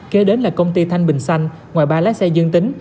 kế đến là công ty thanh bình xanh ngoài ba lái xe dương tính